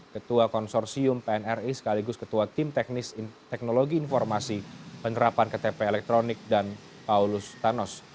ketua konsorsium pnri sekaligus ketua tim teknologi informasi penerapan ktp elektronik dan paulus thanos